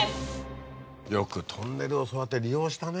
よくトンネルをそうやって利用したね。